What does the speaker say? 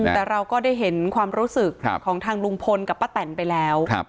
แต่เราก็ได้เห็นความรู้สึกของทางลุงพลกับป้าแตนไปแล้ว